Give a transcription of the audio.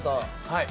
はい。